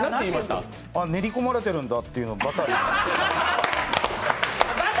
練り込まれてるんだっていうのをバターに。